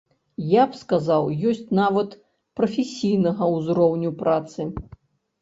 Я б сказаў ёсць нават прафесійнага ўзроўню працы.